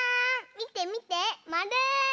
みてみてまる！